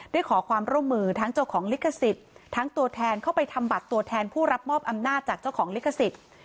ขอความร่วมมือทั้งเจ้าของลิขสิทธิ์ทั้งตัวแทนเข้าไปทำบัตรตัวแทนผู้รับมอบอำนาจจากเจ้าของลิขสิทธิ์